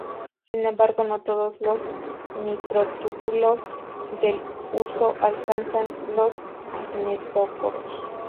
Sin embargo, no todos los microtúbulos del huso alcanzan los cinetocoros.